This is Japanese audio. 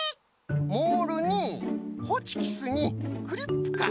モールにホチキスにクリップか。